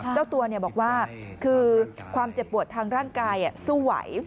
เจ้าตัวบอกว่าคือความเจ็บปวดทางร่างกายสู้ไหว